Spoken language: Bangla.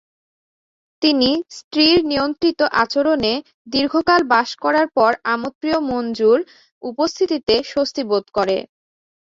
তিনি স্ত্রীর নিয়ন্ত্রিত আচরণে দীর্ঘকাল বাস করার পর আমোদপ্রিয় মঞ্জুর উপস্থিতিতে স্বস্তি বোধ করে।